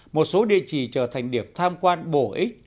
một số địa chỉ trở thành điểm tham quan bổ ích